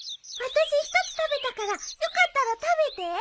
私１つ食べたからよかったら食べて。